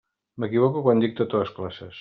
M'equivoco quan dic totes les classes.